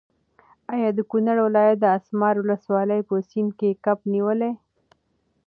ایا د کونړ ولایت د اسمار ولسوالۍ په سیند کې کب نیولی؟